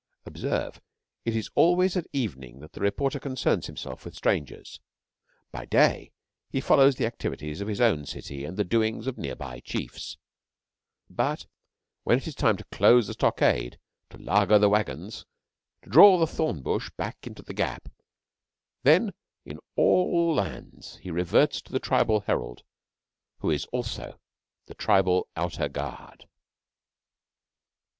Observe, it is always at evening that the reporter concerns himself with strangers. By day he follows the activities of his own city and the doings of nearby chiefs; but when it is time to close the stockade, to laager the wagons, to draw the thorn bush back into the gap, then in all lands he reverts to the Tribal Herald, who is also the tribal Outer Guard.